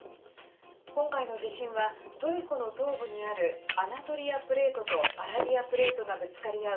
今回の地震はトルコの東部にあるアナトリアプレートとアラビアプレートがぶつかり合う